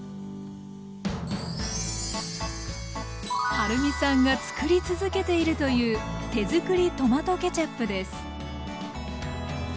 はるみさんがつくり続けているという手づくりトマトケチャップです。